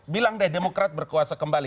bilang deh demokrat berkuasa kembali